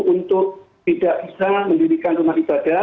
untuk tidak bisa mendirikan rumah ibadah